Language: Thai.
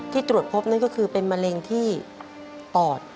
ตรวจพบนั่นก็คือเป็นมะเร็งที่ปอด